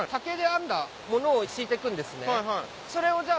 それをじゃあ。